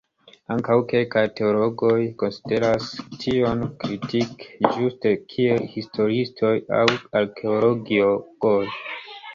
Ankaŭ kelkaj teologoj konsideras tion kritike, ĝuste kiel historiistoj aŭ arkeologoj.